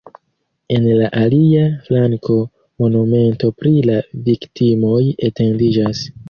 En la alia flanko monumento pri la viktimoj etendiĝas.